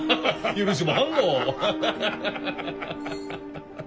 許しもはんど！